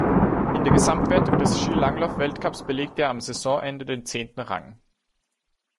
In der Gesamtwertung des Skilanglauf-Weltcups belegte er am Saisonende den zehnten Rang.